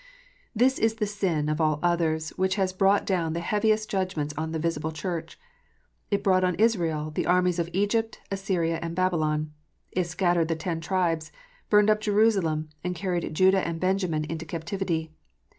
This is the sin, of all others, which has brought down the heaviest judgments on the visible Church. It brought on Israel the armies of Egypt, Assyria, and Babylon. It scattered the ten tribes, burned up Jerusalem, and carried Judah and Benjamin into captivity.